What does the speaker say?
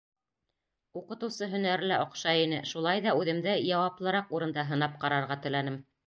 Уҡытыусы һөнәре лә оҡшай ине, шулай ҙа үҙемде яуаплыраҡ урында һынап ҡарарға теләнем.